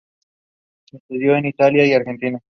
Estudió en Italia y Argentina.